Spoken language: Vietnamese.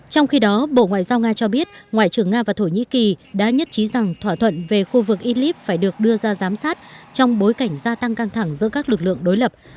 trong khi đó bộ ngoại giao nga cho biết ngoại trưởng nga và thổ nhĩ kỳ đã nhất trí rằng thỏa thuận về khu vực iblis phải được đưa ra giám sát trong bối cảnh gia tăng căng thẳng giữa các lực lượng đối lập